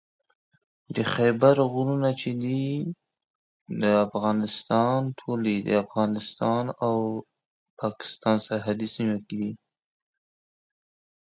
The Khyber Pass was an all-season mountain pass connecting Afghanistan to western Pakistan.